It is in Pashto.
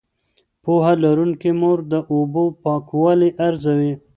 پوهه لرونکې مور د اوبو پاکوالی ارزوي.